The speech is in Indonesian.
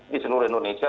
di seluruh indonesia